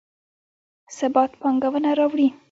ثبات پانګونه راوړي